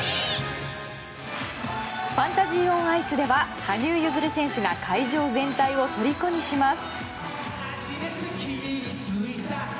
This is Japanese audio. ファンタジー・オン・アイスでは羽生結弦選手が会場全体をとりこにします。